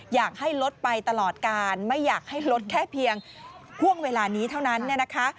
อยากให้ลดไปตลอดการไม่อยากให้ลดแค่เพียงห่วงเวลานี้เท่านั้นเนี่ยนะคะ